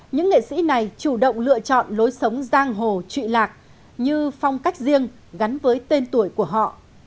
những nghệ sĩ này chủ động lựa chọn lối sống giang hồ trị lạc như phong cách riêng gắn với tên tuổi của họ